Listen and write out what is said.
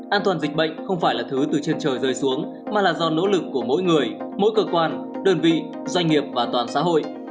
an toàn dịch bệnh không phải là thứ từ trên trời rơi xuống mà là do nỗ lực của mỗi người mỗi cơ quan đơn vị doanh nghiệp và toàn xã hội